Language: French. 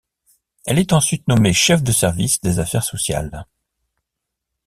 Elle est ensuite nommée chef de service des Affaires sociales.